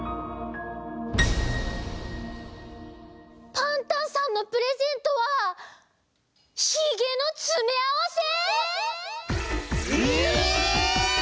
パンタンさんのプレゼントはヒゲのつめあわせ！？え！